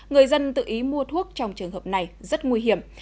người dân tự ý mua thuốc trong trường hợp này rất nguy hiểm